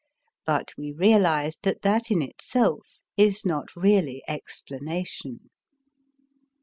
But we realized that that in itself is not really explanation.